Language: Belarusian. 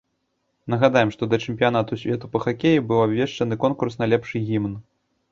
Нагадаем, што да чэмпіянату свету па хакеі быў абвешчаны конкурс на лепшы гімн.